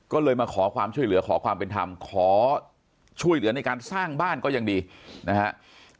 ก็เลยมาขอความช่วยเหลือขอความเป็นธรรมขอช่วยเหลือในการสร้างบ้านก็ยังดีนะครับ